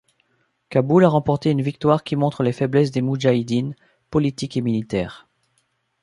Kaboul a remporté une victoire qui montre les faiblesses des moudjahidines, politique et militaire.